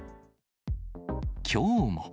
きょうも。